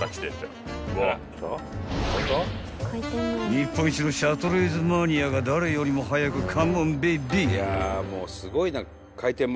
［日本一のシャトレーゼマニアが誰よりも早くカモンベイビー］